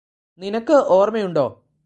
നിനക്ക് ഒര്മ്മയുണ്ടോ